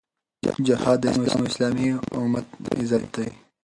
جهاد د اسلام او اسلامي امت عزت دی.